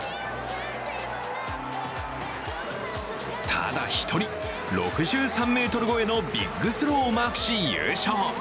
ただ１人、６３ｍごえのビッグスローをマークし、優勝。